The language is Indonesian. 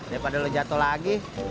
daripada lo jatuh lagi